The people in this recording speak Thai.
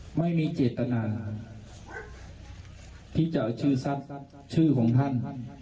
ผมไม่ไม่มีเจตนาที่จะเอาชื่อสัตว์ชื่อของท่าน